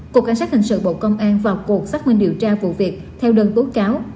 cục cảnh sát hình sự bộ công an vào cuộc xác minh điều tra vụ việc theo đơn tố cáo